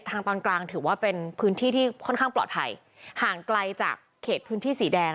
ทางตอนกลางถือว่าเป็นพื้นที่ที่ค่อนข้างปลอดภัยห่างไกลจากเขตพื้นที่สีแดง